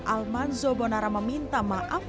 alman zobonara meminta maaf